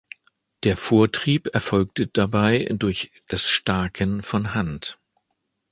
Der Vortrieb erfolgte dabei durch das Staken von Hand.